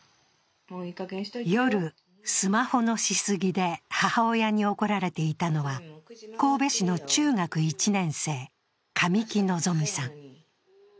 夜、スマホのしすぎで母親に怒られていたのは神戸市の中学１年生、神木希さん。